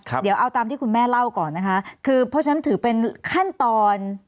เดี๋ยวเอาตามที่คุณแม่เล่าก่อนนะคะคือเพราะฉะนั้นถือเป็นขั้นตอน